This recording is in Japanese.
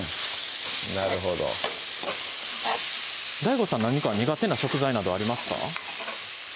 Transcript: なるほどＤＡＩＧＯさん何か苦手な食材などありますか？